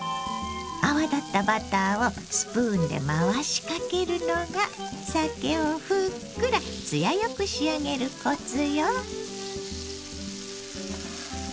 泡立ったバターをスプーンで回しかけるのがさけをふっくら艶よく仕上げるコツよ。